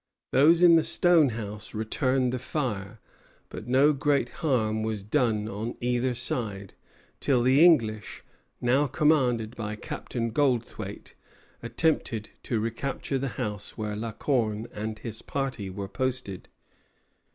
Those in the stone house returned the fire; but no great harm was done on either side, till the English, now commanded by Captain Goldthwait, attempted to recapture the house where La Corne and his party were posted.